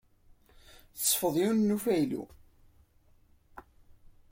Tesfeḍ yiwen n ufaylu.